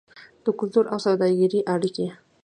د کلتور او سوداګرۍ اړیکې.